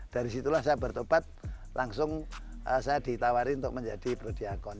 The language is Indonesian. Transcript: dari situlah saya bertobat langsung saya ditawari untuk menjadi prodiakon